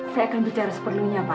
saya akan berbicara seperlunya pak